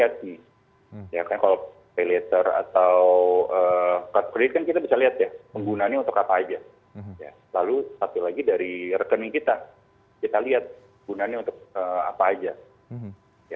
gunanya untuk apa aja lalu satu lagi dari rekening kita kita lihat gunanya untuk apa aja